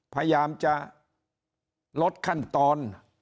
พยายามจะลดขั้นตอน